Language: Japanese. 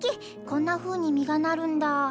こんなふうに実がなるんだ。